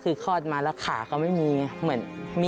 เขาจะไร้ความรู้สึก